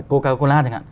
coca cola chẳng hạn